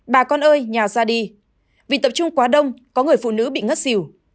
bà con ơi nhà ra đi vì tập trung quá đông có người phụ nữ bị ngất xỉu